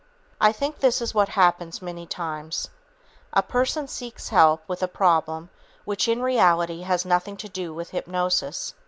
I think this is what happens many times. A person seeks help with a problem which, in reality, has nothing to do with hypnosis.